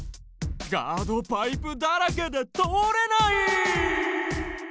ガードパイプだらけで通れない！